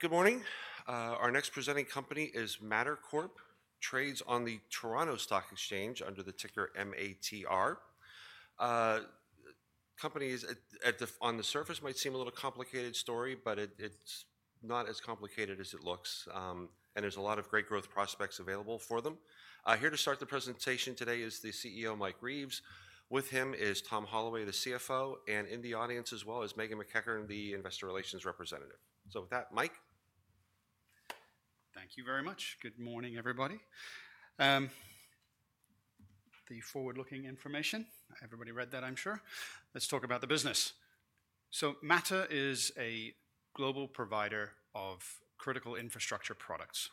Good morning. Our next presenting company is Mattr Corp, trades on the Toronto Stock Exchange under the ticker MATR. Companies on the surface might seem a little complicated story, but it's not as complicated as it looks, and there's a lot of great growth prospects available for them. Here to start the presentation today is the CEO, Mike Reeves. With him is Tom Holloway, the CFO, and in the audience as well is Meghan MacEachern, the Investor Relations Representative. With that, Mike. Thank you very much. Good morning, everybody. The forward-looking information, everybody read that, I'm sure. Let's talk about the business. Mattr is a global provider of critical infrastructure products.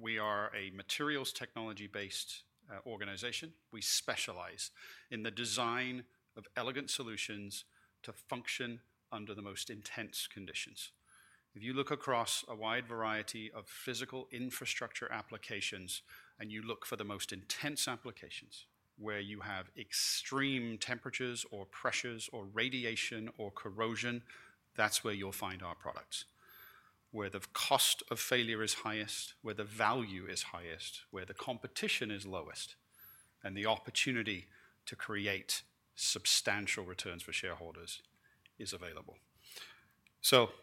We are a materials technology-based organization. We specialize in the design of elegant solutions to function under the most intense conditions. If you look across a wide variety of physical infrastructure applications and you look for the most intense applications where you have extreme temperatures or pressures or radiation or corrosion, that's where you'll find our products. Where the cost of failure is highest, where the value is highest, where the competition is lowest, and the opportunity to create substantial returns for shareholders is available.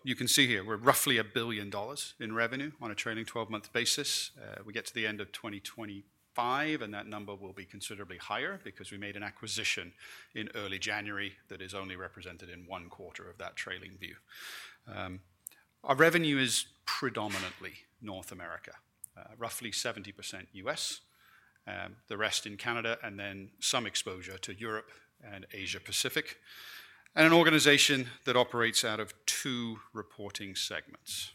You can see here we're roughly a billion dollars in revenue on a trailing 12-month basis. We get to the end of 2025, and that number will be considerably higher because we made an acquisition in early January that is only represented in one quarter of that trailing view. Our revenue is predominantly North America, roughly 70% U.S., the rest in Canada, and then some exposure to Europe and Asia-Pacific. An organization that operates out of two reporting segments.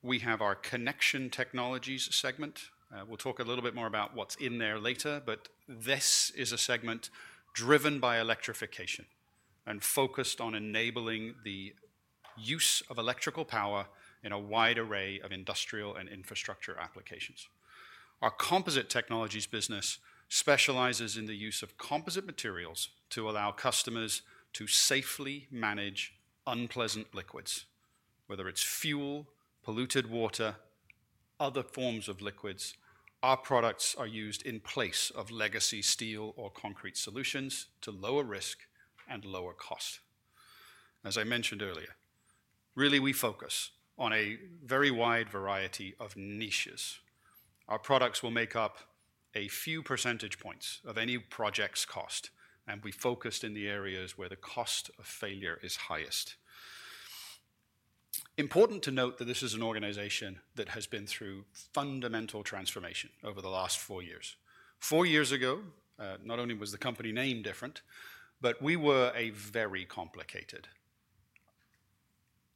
We have our Connection Technologies segment. We'll talk a little bit more about what's in there later, but this is a segment driven by electrification and focused on enabling the use of electrical power in a wide array of industrial and infrastructure applications. Our Composite Technologies business specializes in the use of composite materials to allow customers to safely manage unpleasant liquids, whether it's fuel, polluted water, or other forms of liquids. Our products are used in place of legacy steel or concrete solutions to lower risk and lower cost. As I mentioned earlier, really, we focus on a very wide variety of niches. Our products will make up a few percentage points of any project's cost, and we focus in the areas where the cost of failure is highest. Important to note that this is an organization that has been through fundamental transformation over the last four years. Four years ago, not only was the company name different, but we were a very complicated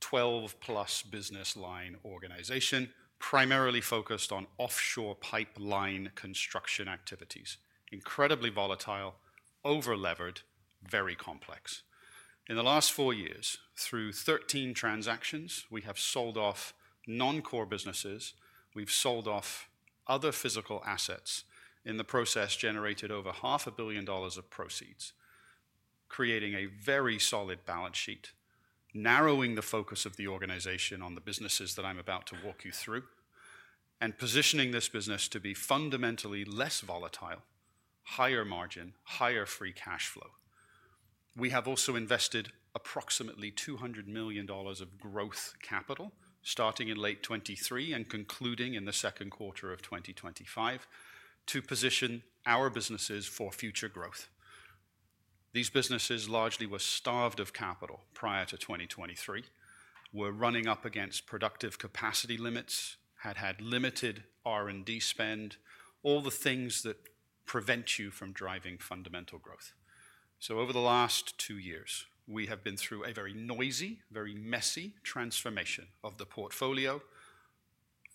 12-plus business line organization, primarily focused on offshore pipeline construction activities. Incredibly volatile, over-levered, very complex. In the last four years, through 13 transactions, we have sold off non-core businesses. We've sold off other physical assets in the process, generated over $500 million of proceeds, creating a very solid balance sheet, narrowing the focus of the organization on the businesses that I'm about to walk you through, and positioning this business to be fundamentally less volatile, higher margin, higher free cash flow. We have also invested approximately $200 million of growth capital, starting in late 2023 and concluding in the second quarter of 2025, to position our businesses for future growth. These businesses largely were starved of capital prior to 2023, were running up against productive capacity limits, had had limited R&D spend, all the things that prevent you from driving fundamental growth. Over the last two years, we have been through a very noisy, very messy transformation of the portfolio,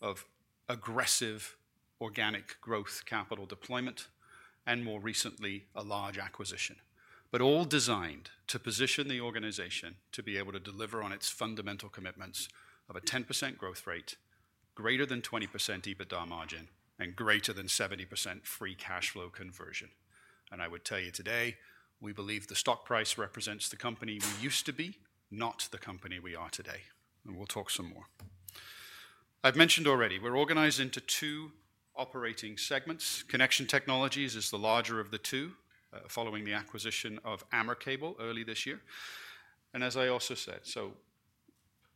of aggressive organic growth capital deployment, and more recently, a large acquisition, all designed to position the organization to be able to deliver on its fundamental commitments of a 10% growth rate, greater than 20% EBITDA margin, and greater than 70% free cash flow conversion. I would tell you today, we believe the stock price represents the company we used to be, not the company we are to day. We'll talk some more. I've mentioned already, we're organized into two operating segments. Connection Technologies is the larger of the two, following the acquisition of Amber Cable early this year. As I also said,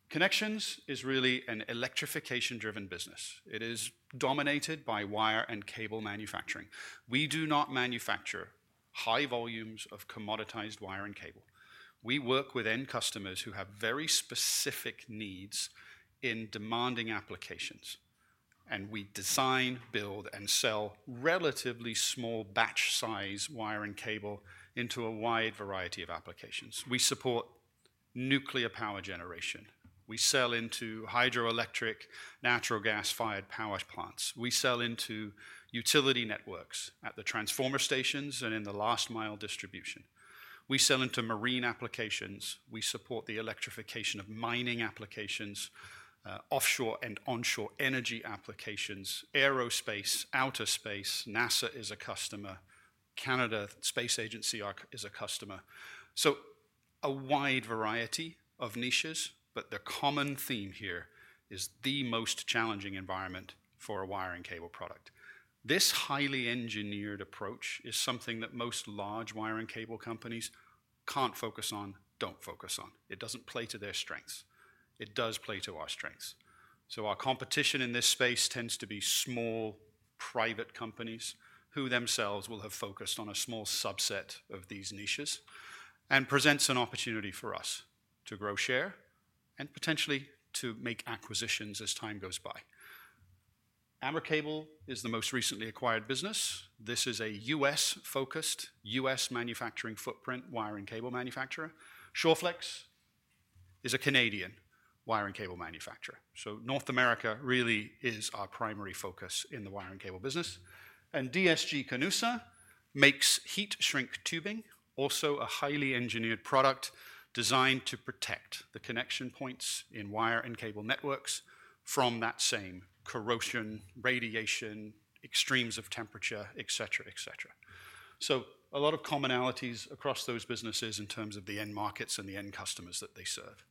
Connections is really an electrification-driven business. It is dominated by wire and cable manufacturing. We do not manufacture high volumes of commoditized wire and cable. We work with end customers who have very specific needs in demanding applications, and we design, build, and sell relatively small batch size wire and cable into a wide variety of applications. We support nuclear power generation. We sell into hydroelectric, natural gas-fired power plants. We sell into utility networks at the transformer stations and in the last-mile distribution. We sell into marine applications. We support the electrification of mining applications, offshore and onshore energy applications, aerospace, outer space. NASA is a customer. Canadian Space Agency is a customer. A wide variety of niches, but the common theme here is the most challenging environment for a wire and cable product. This highly engineered approach is something that most large wire and cable companies can't focus on, don't focus on. It doesn't play to their strengths. It does play to our strengths. Our competition in this space tends to be small private companies who themselves will have focused on a small subset of these niches and presents an opportunity for us to grow share and potentially to make acquisitions as time goes by. Amber Cable is the most recently acquired business. This is a U.S.-focused, U.S.-manufacturing footprint wire and cable manufacturer. ShoreFlex is a Canadian wire and cable manufacturer. North America really is our primary focus in the wire and cable business. DSG-Canusa makes heat-shrink tubing, also a highly engineered product designed to protect the connection points in wire and cable networks from that same corrosion, radiation, extremes of temperature, et cetera, et cetera. A lot of commonalities across those businesses in terms of the end markets and the end customers that they serve.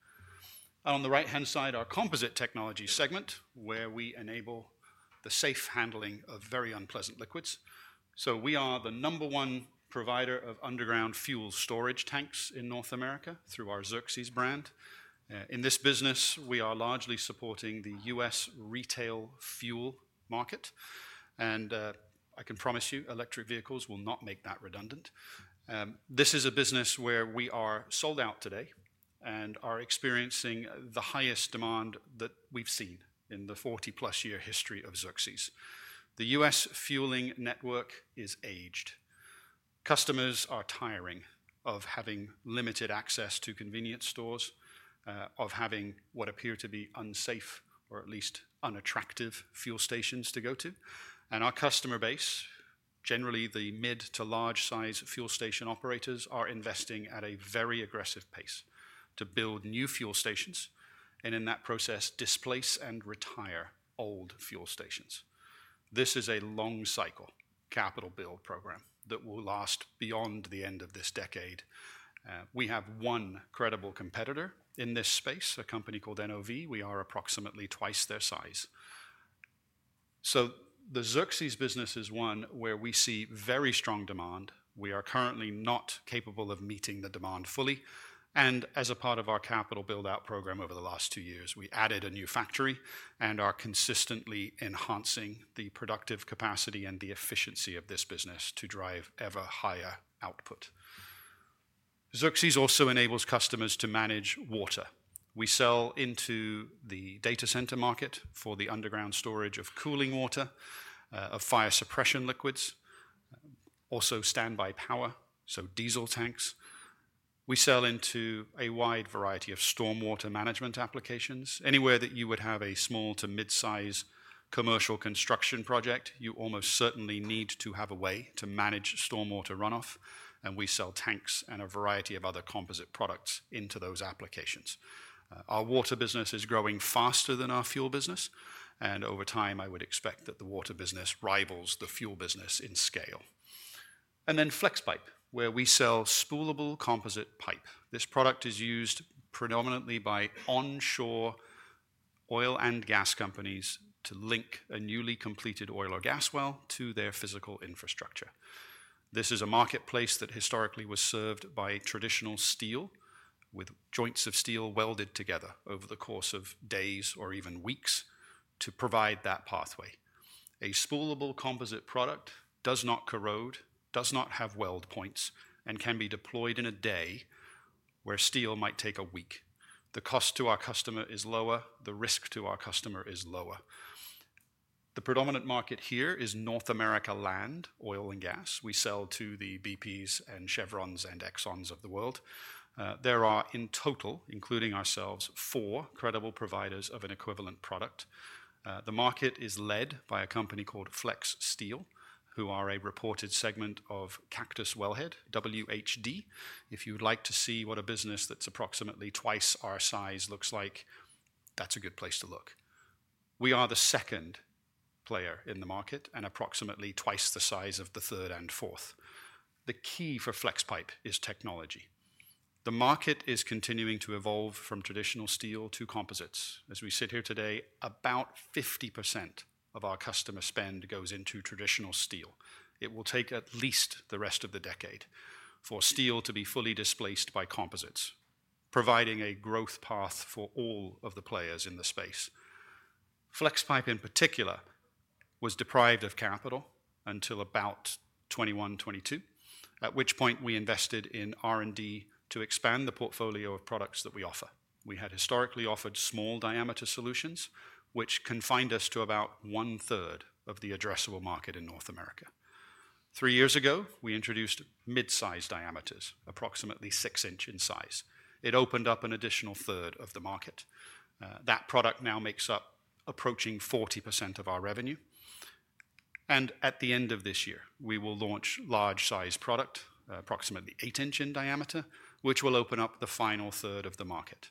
On the right-hand side, our Composite Technology segment, where we enable the safe handling of very unpleasant liquids. We are the number one provider of underground fuel storage tanks in North America through our Xerxes brand. In this business, we are largely supporting the U.S. retail fuel market. I can promise you, electric vehicles will not make that redundant. This is a business where we are sold out today and are experiencing the highest demand that we have seen in the 40-plus year history of Xerxes. The U.S. fueling network is aged. Customers are tiring of having limited access to convenience stores, of having what appear to be unsafe or at least unattractive fuel stations to go to. Our customer base, generally the mid to large size fuel station operators, are investing at a very aggressive pace to build new fuel stations and in that process displace and retire old fuel stations. This is a long-cycle capital build program that will last beyond the end of this decade. We have one credible competitor in this space, a company called NOV. We are approximately twice their size. The Xerxes business is one where we see very strong demand. We are currently not capable of meeting the demand fully. As a part of our capital build-out program over the last two years, we added a new factory and are consistently enhancing the productive capacity and the efficiency of this business to drive ever higher output. Xerxes also enables customers to manage water. We sell into the data center market for the underground storage of cooling water, of fire suppression liquids, also standby power, so diesel tanks. We sell into a wide variety of stormwater management applications. Anywhere that you would have a small to mid-size commercial construction project, you almost certainly need to have a way to manage stormwater runoff. We sell tanks and a variety of other composite products into those applications. Our water business is growing faster than our fuel business. Over time, I would expect that the water business rivals the fuel business in scale. FlexPipe, where we sell spoolable composite pipe, this product is used predominantly by onshore oil and gas companies to link a newly completed oil or gas well to their physical infrastructure. This is a marketplace that historically was served by traditional steel with joints of steel welded together over the course of days or even weeks to provide that pathway. A spoolable composite product does not corrode, does not have weld points, and can be deployed in a day where steel might take a week. The cost to our customer is lower. The risk to our customer is lower. The predominant market here is North America land oil and gas. We sell to the BPs and Chevrons and Exxons of the world. There are in total, including ourselves, four credible providers of an equivalent product. The market is led by a company called FlexSteel, who are a reported segment of Cactus Wellhead, WHD. If you'd like to see what a business that's approximately twice our size looks like, that's a good place to look. We are the second player in the market and approximately twice the size of the third and fourth. The key for FlexPipe is technology. The market is continuing to evolve from traditional steel to composites. As we sit here today, about 50% of our customer spend goes into traditional steel. It will take at least the rest of the decade for steel to be fully displaced by composites, providing a growth path for all of the players in the space. FlexPipe, in particular, was deprived of capital until about 2021, 2022, at which point we invested in R&D to expand the portfolio of products that we offer. We had historically offered small diameter solutions, which confined us to about one-third of the addressable market in North America. Three years ago, we introduced mid-size diameters, approximately six inch in size. It opened up an additional third of the market. That product now makes up approaching 40% of our revenue. At the end of this year, we will launch large-size product, approximately eight inch in diameter, which will open up the final third of the market.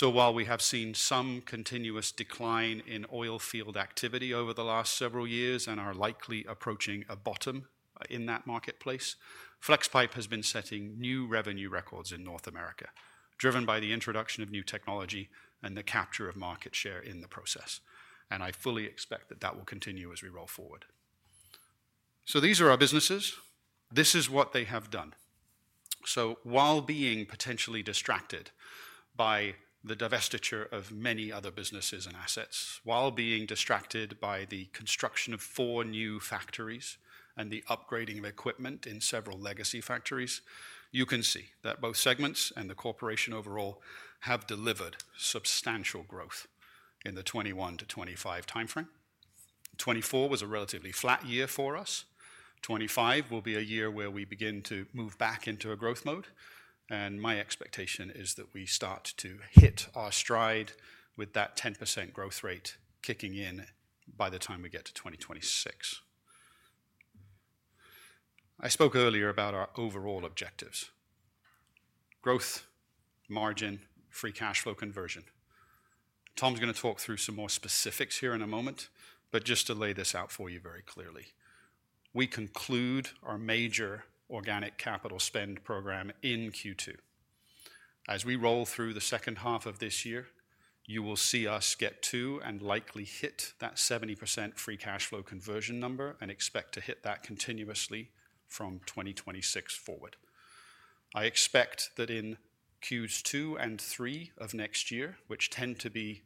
While we have seen some continuous decline in oil field activity over the last several years and are likely approaching a bottom in that marketplace, FlexPipe has been setting new revenue records in North America, driven by the introduction of new technology and the capture of market share in the process. I fully expect that that will continue as we roll forward. These are our businesses. This is what they have done. While being potentially distracted by the divestiture of many other businesses and assets, while being distracted by the construction of four new factories and the upgrading of equipment in several legacy factories, you can see that both segments and the corporation overall have delivered substantial growth in the 2021 to 2025 timeframe. 2024 was a relatively flat year for us. 2025 will be a year where we begin to move back into a growth mode. My expectation is that we start to hit our stride with that 10% growth rate kicking in by the time we get to 2026. I spoke earlier about our overall objectives: growth, margin, free cash flow conversion. Tom's going to talk through some more specifics here in a moment, but just to lay this out for you very clearly, we conclude our major organic capital spend program in Q2. As we roll through the second half of this year, you will see us get to and likely hit that 70% free cash flow conversion number and expect to hit that continuously from 2026 forward. I expect that in Qs two and three of next year, which tend to be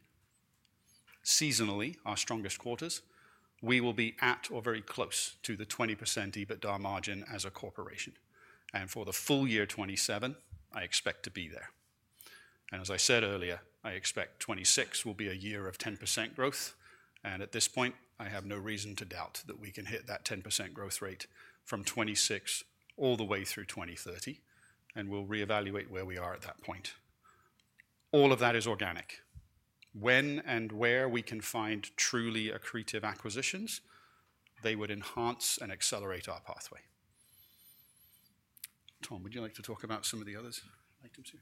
seasonally our strongest quarters, we will be at or very close to the 20% EBITDA margin as a corporation. For the full year 2027, I expect to be there. As I said earlier, I expect 2026 will be a year of 10% growth. At this point, I have no reason to doubt that we can hit that 10% growth rate from 2026 all the way through 2030, and we will reevaluate where we are at that point. All of that is organic. When and where we can find truly accretive acquisitions, they would enhance and accelerate our pathway. Tom, would you like to talk about some of the other items here?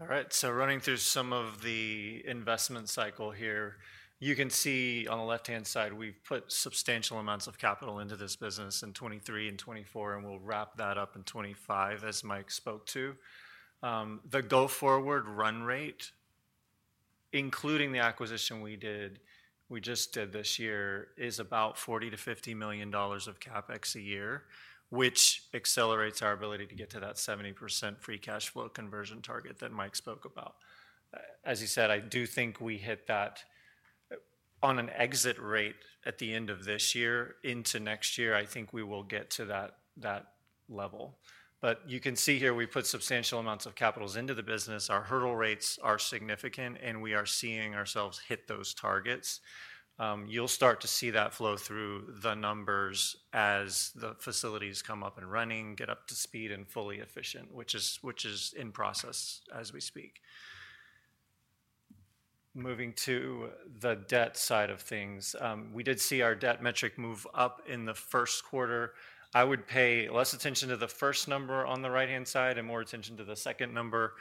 All right. Running through some of the investment cycle here, you can see on the left-hand side, we have put substantial amounts of capital into this business in 2023 and 2024, and we will wrap that up in 2025, as Mike spoke to. The go-forward run rate, including the acquisition we just did this year, is about $40-$50 million of CapEx a year, which accelerates our ability to get to that 70% free cash flow conversion target that Mike spoke about. As he said, I do think we hit that on an exit rate at the end of this year into next year. I think we will get to that level. You can see here, we have put substantial amounts of capital into the business. Our hurdle rates are significant, and we are seeing ourselves hit those targets. You'll start to see that flow through the numbers as the facilities come up and running, get up to speed and fully efficient, which is in process as we speak. Moving to the debt side of things, we did see our debt metric move up in the first quarter. I would pay less attention to the first number on the right-hand side and more attention to the second number,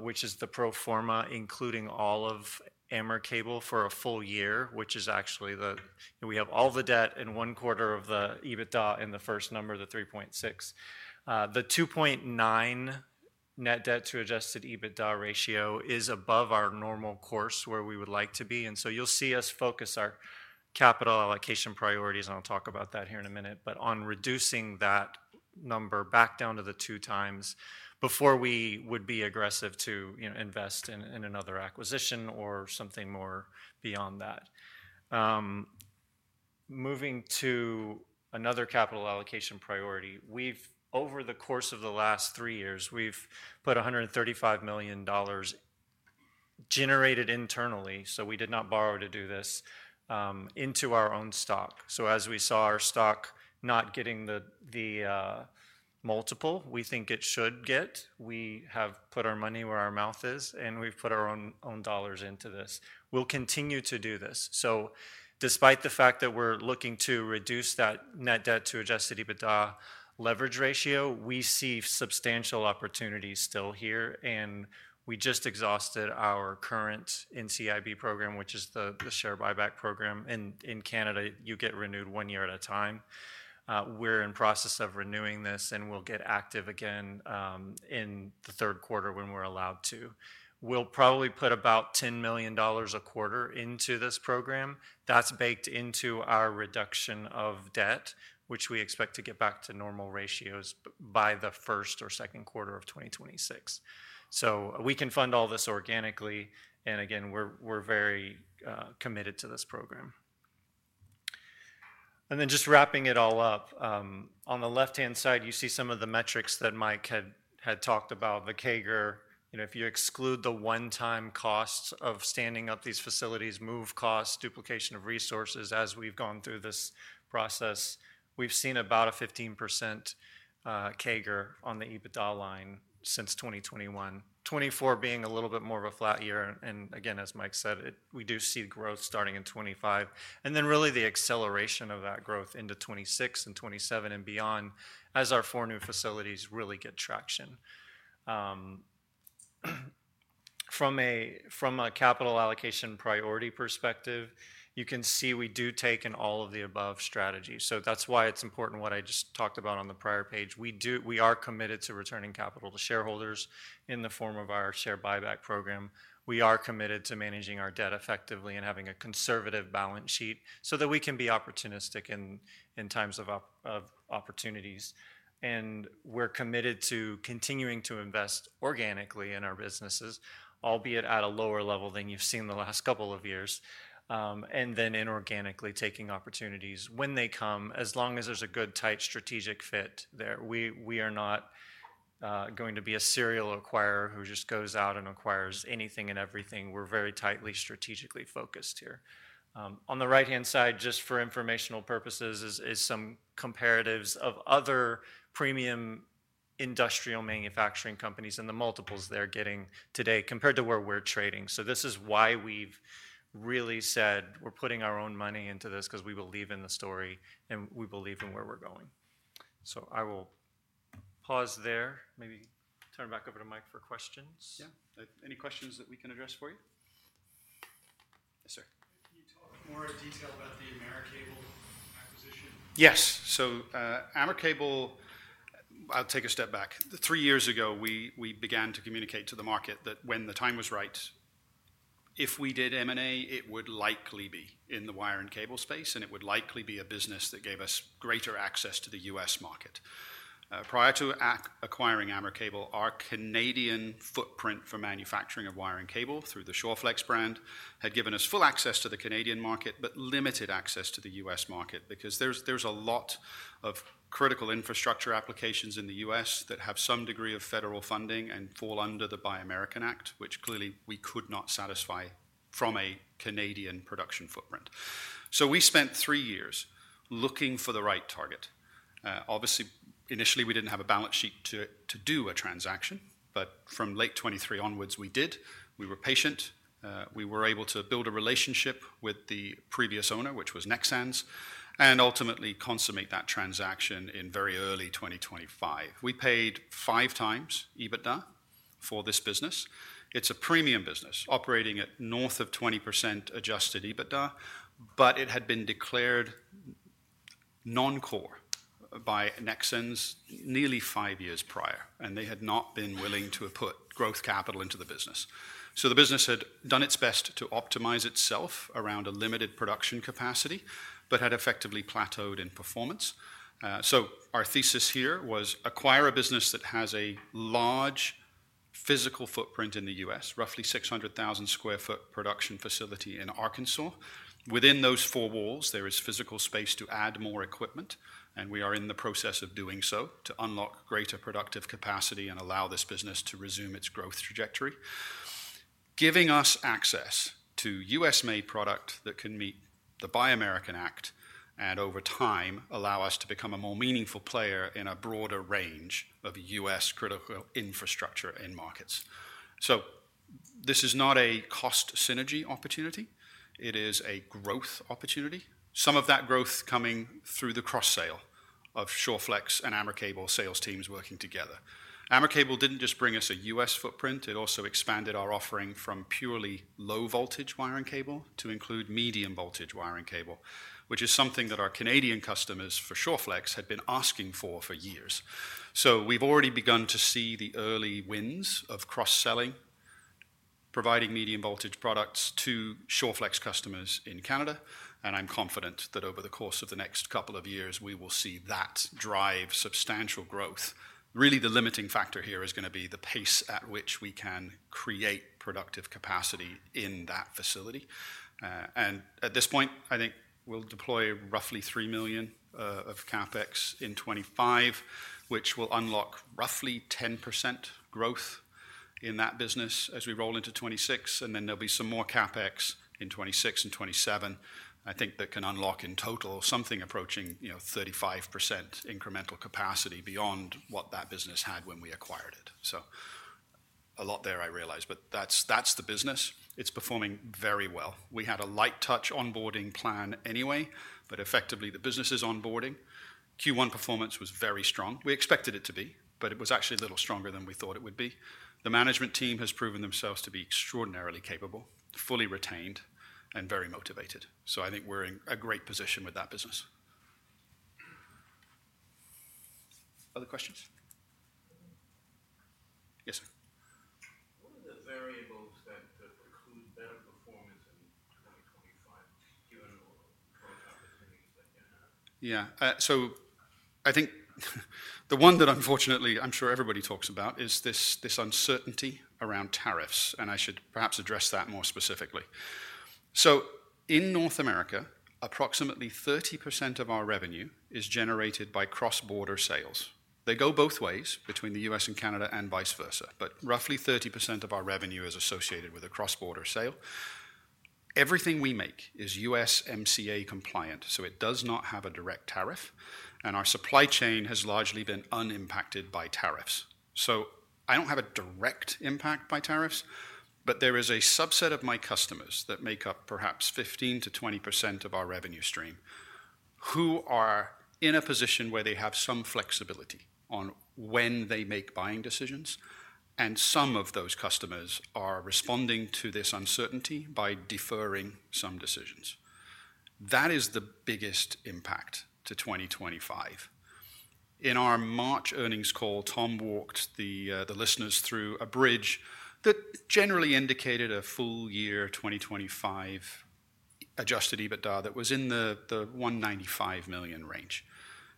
which is the pro forma, including all of Amber Cable for a full year, which is actually the we have all the debt in one quarter of the EBITDA in the first number, the 3.6. The 2.9 net debt to adjusted EBITDA ratio is above our normal course where we would like to be. You'll see us focus our capital allocation priorities, and I'll talk about that here in a minute, but on reducing that number back down to the two times before we would be aggressive to invest in another acquisition or something more beyond that. Moving to another capital allocation priority, over the course of the last three years, we've put $135 million generated internally, so we did not borrow to do this, into our own stock. As we saw our stock not getting the multiple we think it should get, we have put our money where our mouth is, and we've put our own dollars into this. We'll continue to do this. Despite the fact that we're looking to reduce that net debt to adjusted EBITDA leverage ratio, we see substantial opportunities still here. We just exhausted our current NCIB program, which is the share buyback program. In Canada, you get renewed one year at a time. We're in process of renewing this, and we'll get active again in the third quarter when we're allowed to. We'll probably put about $10 million a quarter into this program. That's baked into our reduction of debt, which we expect to get back to normal ratios by the first or second quarter of 2026. We can fund all this organically. Again, we're very committed to this program. Just wrapping it all up, on the left-hand side, you see some of the metrics that Mike had talked about, the CAGR. If you exclude the one-time costs of standing up these facilities, move costs, duplication of resources, as we've gone through this process, we've seen about a 15% CAGR on the EBITDA line since 2021. Twenty twenty-four being a little bit more of a flat year. Again, as Mike said, we do see growth starting in 2025. Then really the acceleration of that growth into 2026 and 2027 and beyond as our four new facilities really get traction. From a capital allocation priority perspective, you can see we do take in all of the above strategies. That is why it is important what I just talked about on the prior page. We are committed to returning capital to shareholders in the form of our share buyback program. We are committed to managing our debt effectively and having a conservative balance sheet so that we can be opportunistic in times of opportunities. We are committed to continuing to invest organically in our businesses, albeit at a lower level than you have seen the last couple of years, and then inorganically taking opportunities when they come, as long as there is a good tight strategic fit there. We are not going to be a serial acquirer who just goes out and acquires anything and everything. We are very tightly strategically focused here. On the right-hand side, just for informational purposes, is some comparatives of other premium industrial manufacturing companies and the multiples they are getting today compared to where we are trading. This is why we have really said we are putting our own money into this because we believe in the story and we believe in where we are going. I will pause there. Maybe turn back over to Mike for questions. Yeah. Any questions that we can address for you? Yes, sir. Can you talk more in detail about the Amber Cable acquisition? Yes. So Amber Cable, I'll take a step back. Three years ago, we began to communicate to the market that when the time was right, if we did M&A, it would likely be in the wire and cable space, and it would likely be a business that gave us greater access to the U.S. market. Prior to acquiring Amber Cable, our Canadian footprint for manufacturing of wire and cable through the ShoreFlex brand had given us full access to the Canadian market, but limited access to the U.S. market because there's a lot of critical infrastructure applications in the U.S. that have some degree of federal funding and fall under the Buy American Act, which clearly we could not satisfy from a Canadian production footprint. We spent three years looking for the right target. Obviously, initially, we didn't have a balance sheet to do a transaction, but from late 2023 onwards, we did. We were patient. We were able to build a relationship with the previous owner, which was Nexans, and ultimately consummate that transaction in very early 2025. We paid five times EBITDA for this business. It's a premium business operating at north of 20% adjusted EBITDA, but it had been declared non-core by Nexans nearly five years prior, and they had not been willing to put growth capital into the business. The business had done its best to optimize itself around a limited production capacity, but had effectively plateaued in performance. Our thesis here was acquire a business that has a large physical footprint in the U.S., roughly 600,000 sq ft production facility in Arkansas. Within those four walls, there is physical space to add more equipment, and we are in the process of doing so to unlock greater productive capacity and allow this business to resume its growth trajectory, giving us access to U.S.-made product that can meet the Buy American Act and over time allow us to become a more meaningful player in a broader range of U.S. critical infrastructure and markets. This is not a cost synergy opportunity. It is a growth opportunity. Some of that growth coming through the cross-sale of ShoreFlex and Amber Cable sales teams working together. Amber Cable did not just bring us a U.S. footprint. It also expanded our offering from purely low voltage wire and cable to include medium voltage wire and cable, which is something that our Canadian customers for ShoreFlex had been asking for for years. We've already begun to see the early wins of cross-selling, providing medium voltage products to ShoreFlex customers in Canada. I'm confident that over the course of the next couple of years, we will see that drive substantial growth. Really, the limiting factor here is going to be the pace at which we can create productive capacity in that facility. At this point, I think we'll deploy roughly $3 million of CapEx in 2025, which will unlock roughly 10% growth in that business as we roll into 2026. There'll be some more CapEx in 2026 and 2027, I think, that can unlock in total something approaching 35% incremental capacity beyond what that business had when we acquired it. A lot there, I realize, but that's the business. It's performing very well. We had a light touch onboarding plan anyway, but effectively, the business is onboarding. Q1 performance was very strong. We expected it to be, but it was actually a little stronger than we thought it would be. The management team has proven themselves to be extraordinarily capable, fully retained, and very motivated. I think we're in a great position with that business. Other questions? Yes, sir. What are the variables that could include better performance in 2025, given all the growth opportunities that you have? Yeah. I think the one that unfortunately, I'm sure everybody talks about is this uncertainty around tariffs. I should perhaps address that more specifically. In North America, approximately 30% of our revenue is generated by cross-border sales. They go both ways between the U.S. and Canada and vice versa, but roughly 30% of our revenue is associated with a cross-border sale. Everything we make is USMCA compliant, so it does not have a direct tariff. Our supply chain has largely been unimpacted by tariffs. I do not have a direct impact by tariffs, but there is a subset of my customers that make up perhaps 15%-20% of our revenue stream who are in a position where they have some flexibility on when they make buying decisions. Some of those customers are responding to this uncertainty by deferring some decisions. That is the biggest impact to 2025. In our March earnings call, Tom walked the listeners through a bridge that generally indicated a full year 2025 adjusted EBITDA that was in the $195 million range.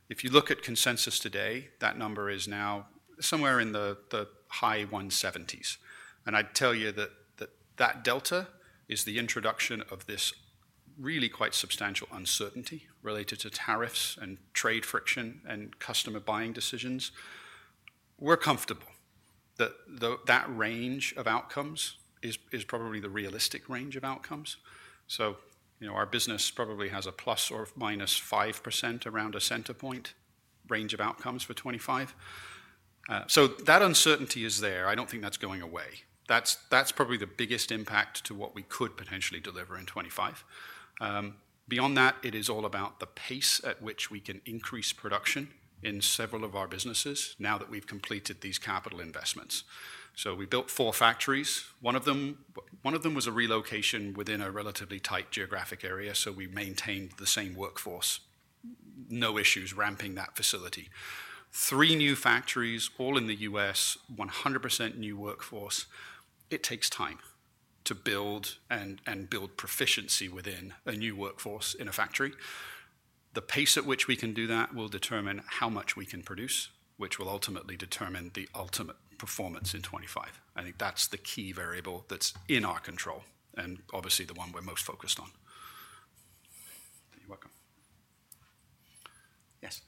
If you look at consensus today, that number is now somewhere in the high $170s. I'd tell you that that delta is the introduction of this really quite substantial uncertainty related to tariffs and trade friction and customer buying decisions. We're comfortable that that range of outcomes is probably the realistic range of outcomes. Our business probably has a plus or minus 5% around a center point range of outcomes for 2025. That uncertainty is there. I don't think that's going away. That's probably the biggest impact to what we could potentially deliver in 2025. Beyond that, it is all about the pace at which we can increase production in several of our businesses now that we've completed these capital investments. We built four factories. One of them was a relocation within a relatively tight geographic area, so we maintained the same workforce. No issues ramping that facility. Three new factories, all in the U.S., 100% new workforce. It takes time to build and build proficiency within a new workforce in a factory. The pace at which we can do that will determine how much we can produce, which will ultimately determine the ultimate performance in 2025. I think that's the key variable that's in our control and obviously the one we're most focused on. You're welcome. Yes.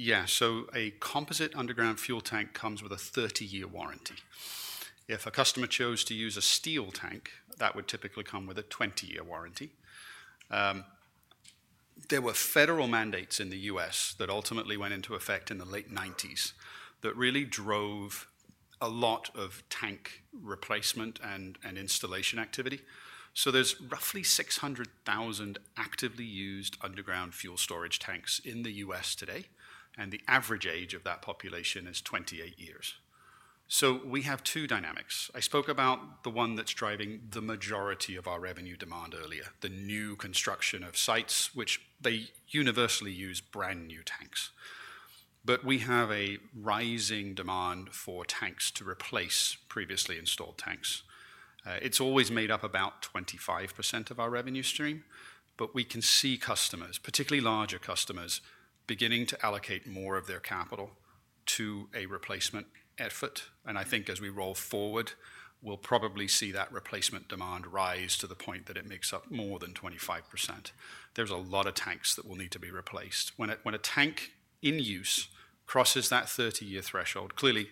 In the underground storage tank business, what's the useful life of those tanks? I know you said that we're going through a time of repurposing and replacement. Over a multi-year period, what are the supply and demand dynamics like? Yeah. A composite underground fuel tank comes with a 30-year warranty. If a customer chose to use a steel tank, that would typically come with a 20-year warranty. There were federal mandates in the U.S. that ultimately went into effect in the late 1990s that really drove a lot of tank replacement and installation activity. There are roughly 600,000 actively used underground fuel storage tanks in the U.S. today. The average age of that population is 28 years. We have two dynamics. I spoke about the one that is driving the majority of our revenue demand earlier, the new construction of sites, which universally use brand new tanks. We have a rising demand for tanks to replace previously installed tanks. It has always made up about 25% of our revenue stream, but we can see customers, particularly larger customers, beginning to allocate more of their capital to a replacement effort. I think as we roll forward, we will probably see that replacement demand rise to the point that it makes up more than 25%. There's a lot of tanks that will need to be replaced. When a tank in use crosses that 30-year threshold, clearly,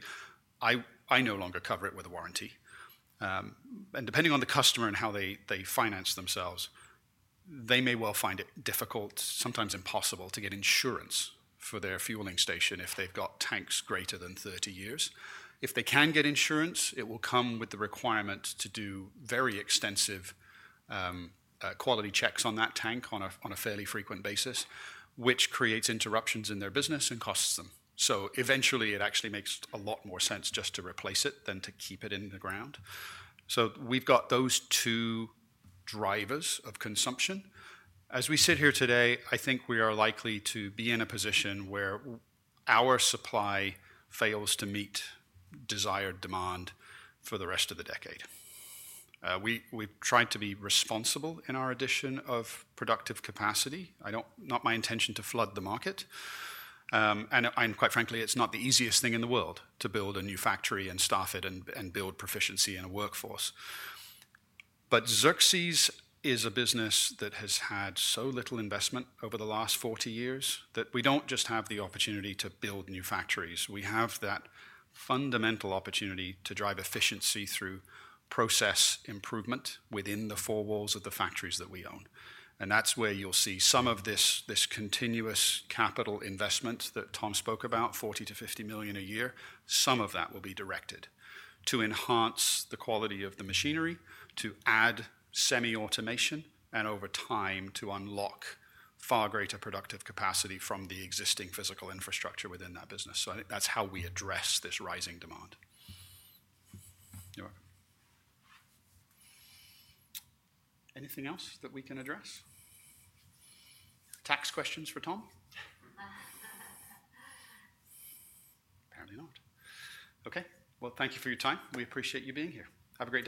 I no longer cover it with a warranty. Depending on the customer and how they finance themselves, they may well find it difficult, sometimes impossible, to get insurance for their fueling station if they've got tanks greater than 30 years. If they can get insurance, it will come with the requirement to do very extensive quality checks on that tank on a fairly frequent basis, which creates interruptions in their business and costs them. Eventually, it actually makes a lot more sense just to replace it than to keep it in the ground. We've got those two drivers of consumption. As we sit here today, I think we are likely to be in a position where our supply fails to meet desired demand for the rest of the decade. We've tried to be responsible in our addition of productive capacity. Not my intention to flood the market. Quite frankly, it's not the easiest thing in the world to build a new factory and staff it and build proficiency in a workforce. Xerxes is a business that has had so little investment over the last 40 years that we don't just have the opportunity to build new factories. We have that fundamental opportunity to drive efficiency through process improvement within the four walls of the factories that we own. That's where you'll see some of this continuous capital investment that Tom spoke about, $40 million-$50 million a year. Some of that will be directed to enhance the quality of the machinery, to add semi-automation, and over time to unlock far greater productive capacity from the existing physical infrastructure within that business. I think that's how we address this rising demand. You're welcome. Anything else that we can address? Tax questions for Tom? Apparently not. Thank you for your time. We appreciate you being here. Have a great day.